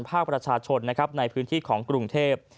ภาคประชาชนนะครับในพื้นที่ของกรุงเทพ